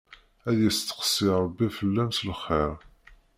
Ad yesteqsi Rebbi fell-am s lxir.